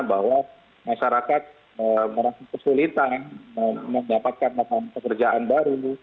bahwa masyarakat merasa kesulitan mendapatkan lapangan pekerjaan baru